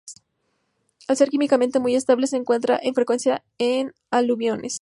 Al ser químicamente muy estable, se encuentra con frecuencia en aluviones.